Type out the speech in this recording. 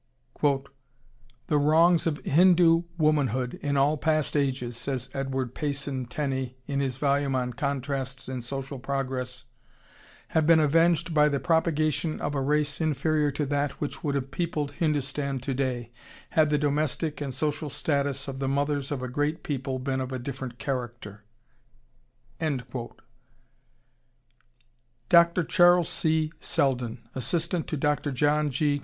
"The wrongs of Hindu womanhood in all past ages," says Edward Payson Tenney in his volume on "Contrasts in Social Progress," "have been avenged by the propagation of a race inferior to that which would have peopled Hindustan to day, had the domestic and social status of the mothers of a great people been of a different character." Dr. Charles C. Selden, assistant to Dr. John G.